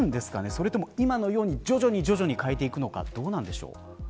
それとも今のように徐々に変えていくのかどうなんでしょう。